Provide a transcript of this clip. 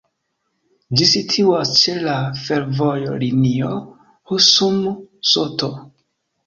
Ĝi situas ĉe la fervojlinio Husum-St.